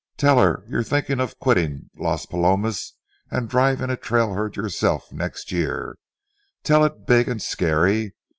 Tell her you're thinking of quitting Las Palomas and driving a trail herd yourself next year. Tell it big and scary.